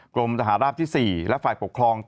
กรมทหารราบที่๔และฝ่ายปกครอง